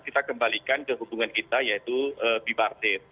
kita kembalikan ke hubungan kita yaitu bipartit